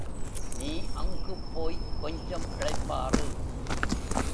நீ அங்குப் போய்க் கொஞ்சம் இளைப்பாறு.